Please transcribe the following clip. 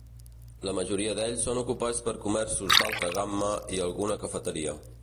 La majoria d'ells són ocupats per comerços d'alta gamma, i alguna cafeteria.